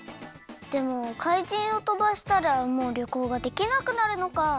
でもかいじんをとばしたらもうりょこうができなくなるのか。